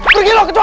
pergi lo kecua